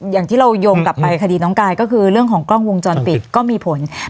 อย่างที่เราโยงกลับไปคดีน้องกายก็คือเรื่องของกล้องวงจรปิดก็มีผล